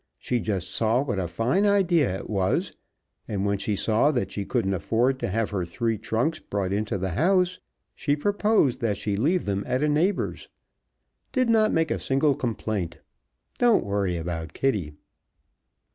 She just saw what a fine idea it was, and when she saw that she couldn't afford to have her three trunks brought into the house she proposed that she leave them at a neighbor's. Did not make a single complaint. Don't worry about Kitty."